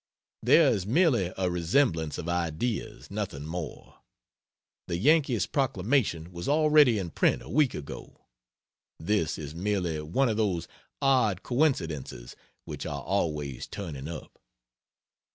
There is merely a resemblance of ideas, nothing more. The Yankee's proclamation was already in print a week ago. This is merely one of those odd coincidences which are always turning up.